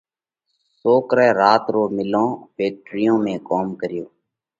سوڪرئہ رات رو مِلون (فيڪٽريون) ۾ ڪوم ڪريو۔